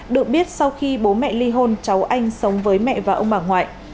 được biết sau khi bố mẹ ly hôn cháu anh sống với mẹ và ông bà ngoại